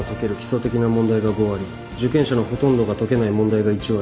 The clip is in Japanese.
受験者のほとんどが解けない問題が１割。